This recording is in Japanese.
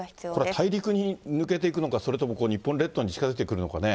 これ、大陸に抜けていくのか、それとも日本列島に近づいてくるのかね。